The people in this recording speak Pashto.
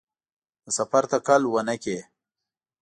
د سفر تکل ونکړي.